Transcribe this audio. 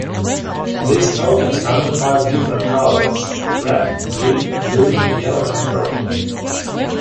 These tokens come in five different colors: Red, Green, Blue, Yellow and Purple.